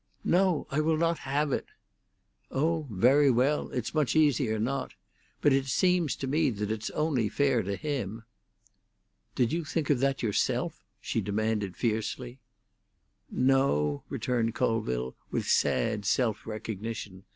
"No; I will not have it!" "Oh, very well; it's much easier not. But it seems to me that it's only fair to him." "Did you think of that yourself?" she demanded fiercely. "No," returned Colville, with sad self recognition.